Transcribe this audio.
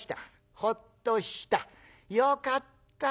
「ほっとした？よかったねえ。